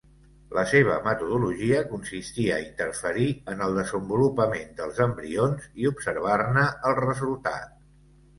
La seva metodologia consistia a interferir en el desenvolupament dels embrions i observar-ne el resultat.